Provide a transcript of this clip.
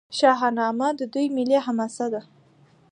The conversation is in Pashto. شاهنامه د دوی ملي حماسه ده.